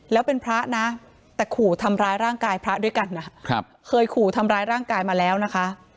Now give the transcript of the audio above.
แล้วเป็นพระนะแต่ขู่ทำร้ายร่างกายพระด้วยกันนะครับเคยขู่ทำร้ายร่างกายมาแล้วนะคะ